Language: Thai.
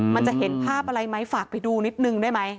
มันจะเห็นภาพอะไรไหมฝากไปดูนิดนึงได้ไหม